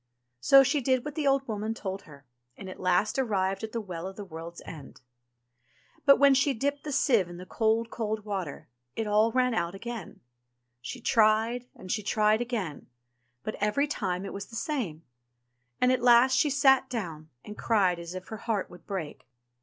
So she did what the old woman told her, and at last arrived at the Well of the World's End. But 35« 352 ENGLISH FAIRY TALES when she dipped the sieve in the cold cold water, it all ran out again. She tried and she tried again, but every time it was the same ; and at last she sate down and cried as if her heart would break.